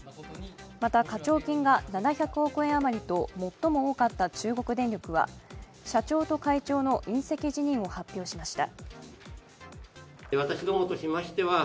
また、課徴金が７００億円あまりと最も多かった中国電力は社長と会長の引責辞任を発表しました。